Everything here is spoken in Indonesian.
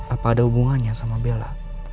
apa ada hubungannya sama bella